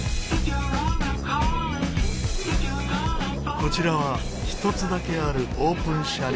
こちらは一つだけあるオープン車両。